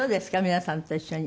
皆さんと一緒に。